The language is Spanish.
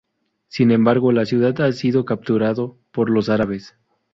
Sin embargo, la ciudad ha sido capturado por los árabes.